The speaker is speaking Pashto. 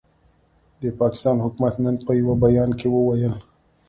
د پاکستان حکومت نن په یوه بیان کې وویل،